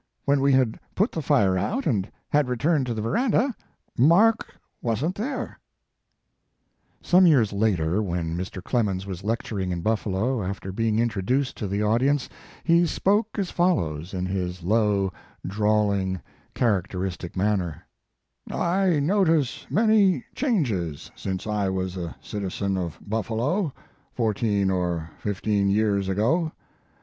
When we had put the fire out, and had returned to the veranda, Mark wasn t there." Some years later when Mr. Clemens was lecturing in Buffalo, after being in troduced to the audience, he spoke as follows in his low, drawling, character istic manner: 4 I notice many changes since I was a citizen of Buffalo, fourteen or fifteen years ago.